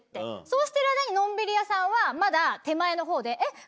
そうしてる間にのんびり屋さんはまだ手前のほうで。